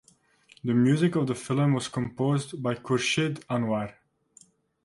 The music of the film was composed by Khurshid Anwar.